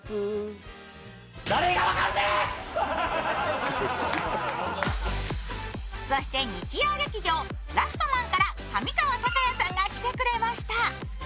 三菱電機そして日曜劇場「ラストマン」から上川隆也さんが来てくれました。